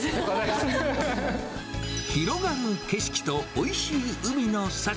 広がる景色とおいしい海の幸。